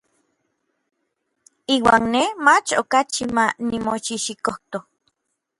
Iuan nej mach okachi ma nimoxijxikojto.